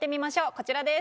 こちらです。